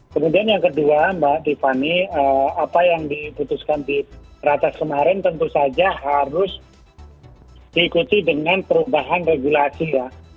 kemudian yang kedua mbak tiffany apa yang diputuskan di ratas kemarin tentu saja harus diikuti dengan perubahan regulasi ya